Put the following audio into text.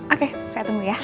oke saya tunggu ya